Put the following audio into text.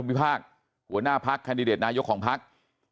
วิพากษ์หัวหน้าพักแคนดิเดตนายกของพัก